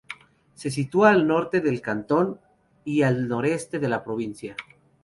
Se sitúa al norte del cantón, y al noreste de la provincia.